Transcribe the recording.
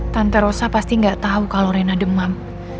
tante rosa pasti nggak tahu kalau rena demam